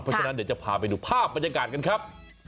เพราะฉะนั้นเดี๋ยวจะพาไปดูภาพบรรยากาศกันครับ